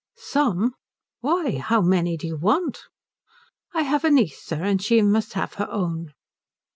"Some? Why, how many do you want?" "I have a niece, sir, and she must have her own."